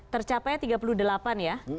tercapai tiga puluh delapan ya